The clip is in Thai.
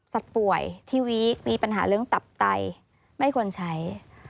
ป่วยทีวีมีปัญหาเรื่องตับไตไม่ควรใช้